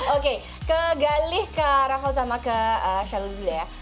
oke ke galih ke rahul sama ke sheryl dulu ya